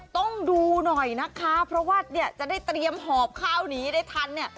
ต้องดูหน่อยนะคะเพราะว่าจะได้เตรียมหอบข้าวนี้ได้ทัน